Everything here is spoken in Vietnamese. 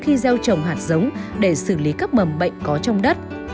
khi gieo trồng hạt giống để xử lý các mầm bệnh có trong đất